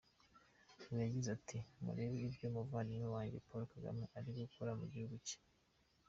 Ngo yagize ati “Murebe ibyo umuvandimwe wanjye Paul Kagame ari gukora mu gihugu cye.